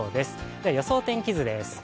では予想天気図です。